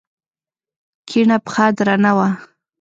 کيڼه پښه درنه وه.